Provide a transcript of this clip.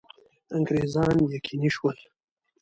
انګرېزان یقیني شول.